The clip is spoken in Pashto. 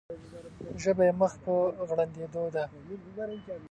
ژبه یې مخ پر غړندېدو ده.